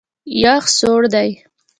یخ سوړ دی.